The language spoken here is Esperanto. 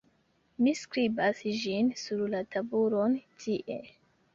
mi skribas ĝin sur la tabulon tie.